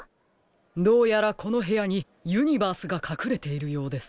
どうやらこのへやにユニバースがかくれているようです。